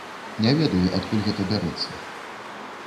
Не ведаю, адкуль гэта бярэцца.